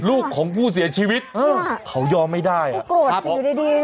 ลูกของผู้เสียชีวิตเออเขายอมไม่ได้คือกรวดสิวดีดีนี่